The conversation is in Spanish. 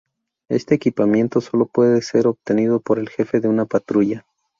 Este equipamiento solo puedes ser obtenido por el jefe de una patrulla.